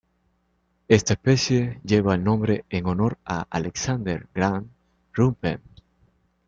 Esta especie lleva el nombre en honor a Alexander Grant Ruthven.